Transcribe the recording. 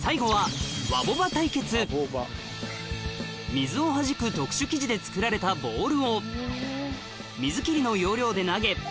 水をはじく特殊生地で作られたボールを水切りの要領で投げえっ！